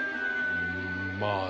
うんまあ。